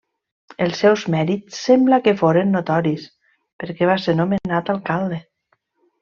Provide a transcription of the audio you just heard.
Els seus mèrits sembla que foren notoris, perquè va ser nomenat alcalde.